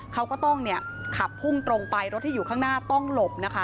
เขาก็ต้องขับพุ่งตรงไปรถที่อยู่ข้างหน้าต้องหลบนะคะ